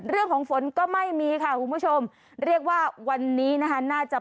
เรื่องของฝนก็ไม่มีค่ะคุณผู้ชมเรียกว่าวันนี้นะคะน่าจะ